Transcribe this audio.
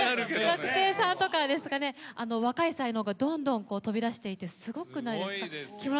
学生さんとか、若い才能がどんどん飛び出していてすごくないですか？